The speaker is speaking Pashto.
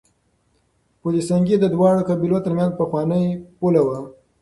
پل سنګي د دواړو قبيلو ترمنځ پخوانۍ پوله وه.